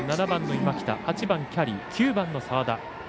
７番の今北８番、キャリー、９番の澤田。